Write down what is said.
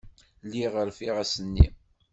Lliɣ rfiɣ ass-nni.